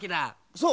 そう！